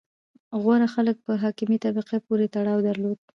• غوره خلک په حاکمې طبقې پورې تړاو درلود.